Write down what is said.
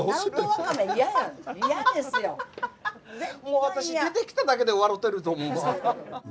もう私出てきただけで笑てると思うわ。